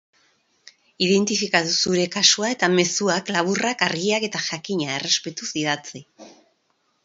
Identifikatu zure kasua eta mezuak laburrak, argiak eta, jakina, errespetuz idatzi.